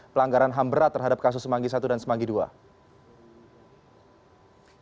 pelanggaran ham berat terhadap kasus semanggi satu dan semanggi ii